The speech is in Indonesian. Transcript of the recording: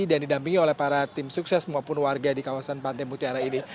secara tim sukses maupun warga di kawasan pantai mutiara ini